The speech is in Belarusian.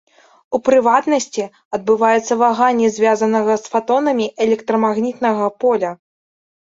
У прыватнасці, адбываюцца ваганні звязанага з фатонамі электрамагнітнага поля.